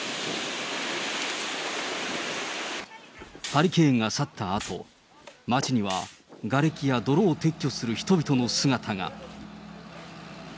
ハリケーンが去ったあと、街にはがれきや泥を撤去する人々の姿が。